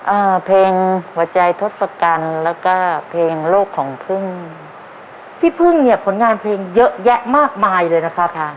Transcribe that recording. เอ่อเพลงหัวใจทศกัณฐ์แล้วก็เพลงโลกของพึ่งพี่พึ่งเนี่ยผลงานเพลงเยอะแยะมากมายเลยนะคะ